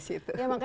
itu punya life gitu